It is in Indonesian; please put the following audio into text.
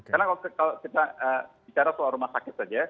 karena kalau kita bicara soal rumah sakit saja